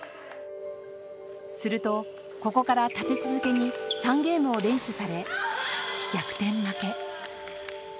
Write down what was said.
するとここから立て続けに３ゲームを連取され逆転負け。